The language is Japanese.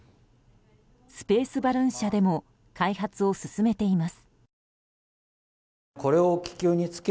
スペース・バルーン社でも開発を進めています。